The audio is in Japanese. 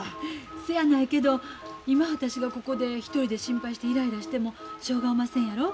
そやないけど今私がここで一人で心配してイライラしてもしょうがおませんやろ。